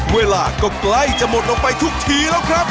เวลาก็ใกล้จะหมดลงไปทุกทีแล้วครับ